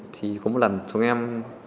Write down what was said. thì có một lần chúng em